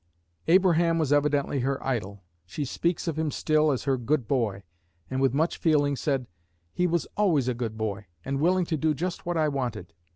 Abraham was evidently her idol; she speaks of him still as her 'good boy,' and with much feeling said, 'He was always a good boy, and willing to do just what I wanted.